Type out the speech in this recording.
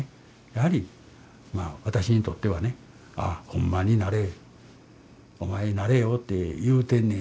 やはりまあ私にとってはね「ほんまになれ。お前なれよ」って言うてんね